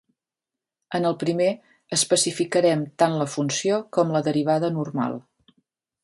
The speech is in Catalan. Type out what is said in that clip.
En el primer, especificarem tant la funció com la derivada normal.